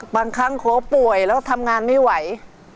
บางครั้งเขาป่วยแล้วทำงานไม่ไหว